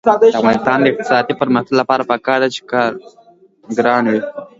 د افغانستان د اقتصادي پرمختګ لپاره پکار ده چې کارګران وي.